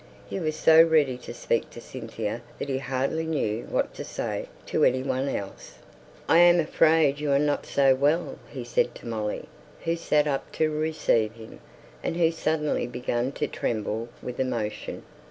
He was so ready to speak to Cynthia that he hardly knew what to say to any one else. "I am afraid you are not so well," he said to Molly, who sat up to receive him, and who suddenly began to tremble with emotion.